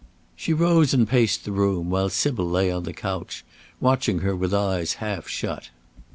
She rose and paced the room, while Sybil lay on the couch, watching her with eyes half shut.